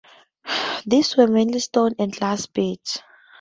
These were mainly stone and glass beads.